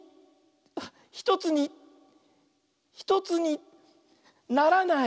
あっ１つに１つにならない！